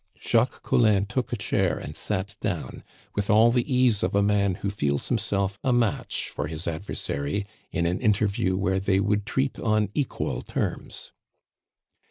Jacques Collin took a chair and sat down, with all the ease of a man who feels himself a match for his adversary in an interview where they would treat on equal terms.